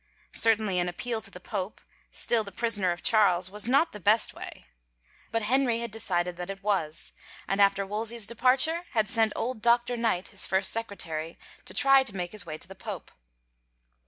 Certainly an appeal to the pope, still the prisoner of Charles, was not the best way ! But Henry had decided that it was, and after Wolsey's departure had sent old Doctor Knight, his first secretary, to try to make his way to the pope.